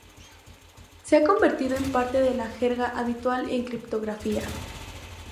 Se ha convertido en parte de la jerga habitual en criptografía.